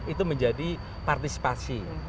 itu menjadi partisipasi